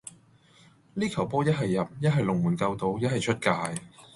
呢球波一係入,一係龍門救到,一係出界.